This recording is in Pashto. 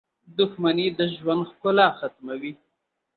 • دښمني د ژوند ښکلا ختموي.